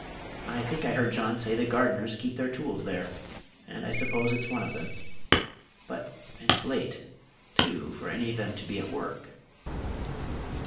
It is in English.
I think I heard John say the gardeners keep their tools there, and I suppose it's one of them. But it's late, too, for any of them to be at work."